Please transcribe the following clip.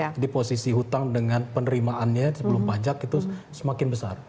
jadi posisi hutang dengan penerimaannya sebelum pajak itu semakin besar